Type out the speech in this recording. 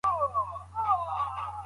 هر څوک د ځان مسئول دی.